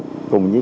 mẹ cho anh hai